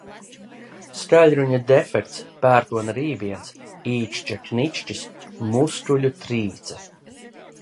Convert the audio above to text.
Skaļruņa defekts, pērkona rībiens, īkšķa knikšķis, muskuļu trīce.